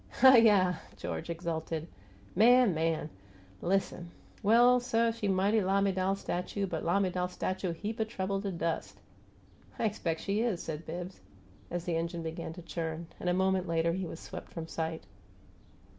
"Hiyi!" George exulted. "Man! Man! Listen! Well, suh, she mighty lamiDAL statue, but lamiDAL statue heap o' trouble to dus'!" "I expect she is!" said Bibbs, as the engine began to churn; and a moment later he was swept from sight.